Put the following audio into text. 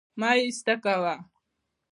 مه يې ايسته کوه